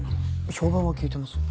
評判は聞いてます